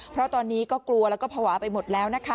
เพราะตอนนี้ก็กลัวแล้วก็ภาวะไปหมดแล้วนะคะ